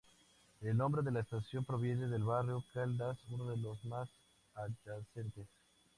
El nombre de la estación proviene del barrio Caldas, uno de los más adyacentes.